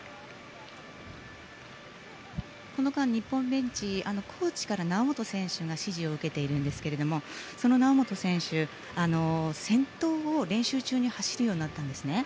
この間、日本ベンチコーチから猶本選手が指示を受けているんですがその猶本選手、先頭を練習中に走るようになったんですね。